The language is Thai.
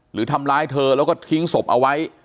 หรือทำร้ายเธอแล้วก็ทิ้งศพเอาไว้